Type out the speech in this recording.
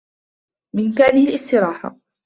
بإمكانه الاستراحة.